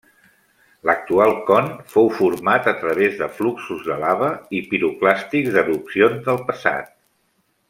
L'actual con fou format a través de fluxos de lava i piroclàstics d'erupcions del passat.